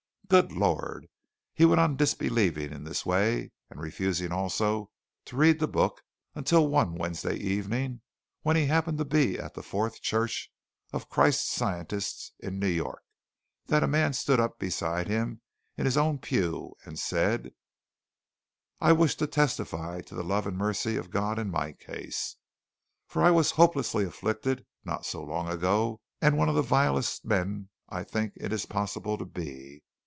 Good Lord! He went on disbelieving in this way, and refusing also to read the book until one Wednesday evening when he happened to be at the Fourth Church of Christ Scientist in New York that a man stood up beside him in his own pew and said: "I wish to testify to the love and mercy of God in my case, for I was hopelessly afflicted not so very long ago and one of the vilest men I think it is possible to be.